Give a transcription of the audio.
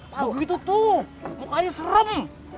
pak gino tuh mukanya serem